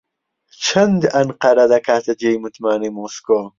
چەند ئەنقەرە دەکاتە جێی متمانەی مۆسکۆ؟